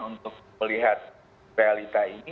untuk melihat realita ini